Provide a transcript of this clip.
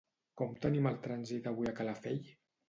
Com tenim el trànsit avui a Calafell?